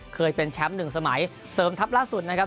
เคยเป็นแชมป์หนึ่งสมัยเสริมทัพล่าสุดนะครับ